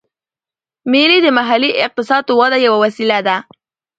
مېلې د محلي اقتصاد وده یوه وسیله ده.